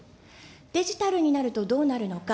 デジタルになるとどうなるのか。